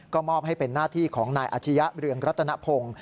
ก็มอบให้เป็นหน้าที่ของนายอาชียะเรืองรัตนพงศ์